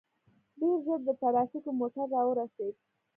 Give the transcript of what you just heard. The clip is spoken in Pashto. ډېر ژر د ټرافيکو موټر راورسېد.